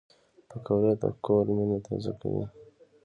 پکورې د کور مینه تازه کوي